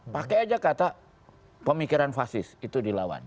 pakai aja kata pemikiran fasis itu dilawan